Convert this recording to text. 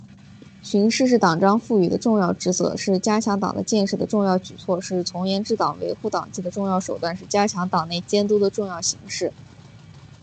巡视是党章赋予的重要职责，是加强党的建设的重要举措，是从严治党、维护党纪的重要手段，是加强党内监督的重要形式。